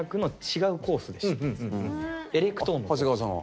長谷川さんは。